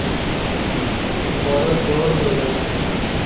ବଡ଼ ଜର ହୋଇଗଲା ।"